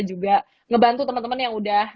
juga membantu teman teman yang sudah